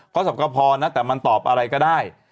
เขาสมกพรนะแต่มันตอบอะไรก็ได้